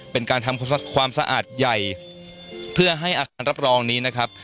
เป็นการทำความสะอาดใหญ่เพื่อให้อาคารรับรองนี้นะครับ